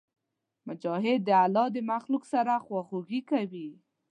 مجاهد د الله د مخلوق سره خواخوږي کوي.